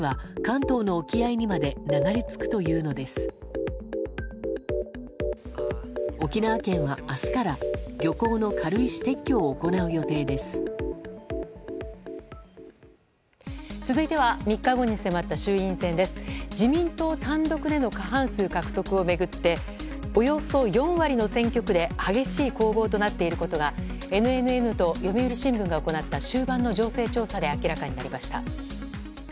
自民党単独での過半数獲得を巡っておよそ４割の選挙区で激しい攻防となっていることがＮＮＮと読売新聞が行った終盤の情勢調査で明らかになりました。